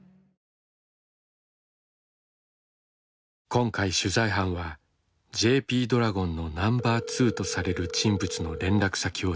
今回取材班はＪＰドラゴンのナンバー２とされる人物の連絡先を入手した。